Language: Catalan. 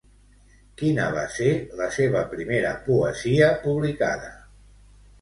Quina va ser la seva primera poesia publicada?